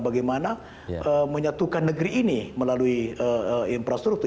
bagaimana menyatukan negeri ini melalui infrastruktur